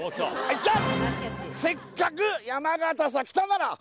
ジャン「せっかぐ山形さ来たなら」